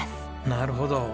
なるほど。